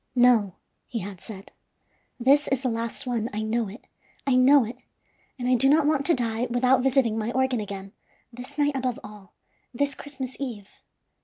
"No," he had said; "this is the last one, I know it. I know it, and I do not want to die without visiting my organ again, this night above all, this Christmas Eve.